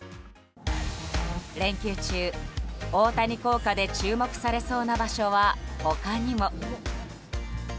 連休中、大谷効果で注目されそうな場所は他にも。